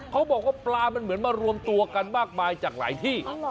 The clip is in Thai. เขาบอกว่าปลามันเหมือนมารวมตัวกันมากมายจากหลายที่